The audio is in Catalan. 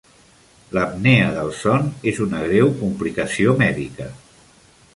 L'apnea del son és una greu complicació mèdica.